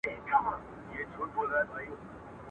تر ښایست دي پر آواز باندي مین یم.